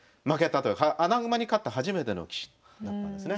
穴熊に勝った初めての棋士だったんですね。